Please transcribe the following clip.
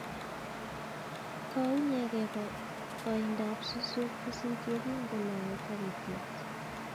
Kounyege koindap suswek pusit yekingoloe taritiet.